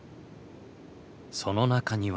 その中には。